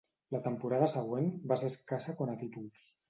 La temporada següent va ser escassa quant a títols.